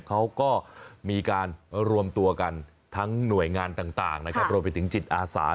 เขาก็มีการรวมตัวกันทั้งหน่วยงานต่างนะครับรวมไปถึงจิตอาสา